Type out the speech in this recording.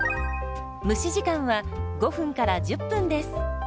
蒸し時間は５１０分です。